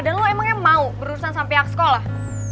dan lo emangnya mau berurusan sampai hak sekolah